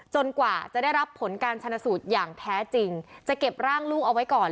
กว่าจะได้รับผลการชนะสูตรอย่างแท้จริงจะเก็บร่างลูกเอาไว้ก่อน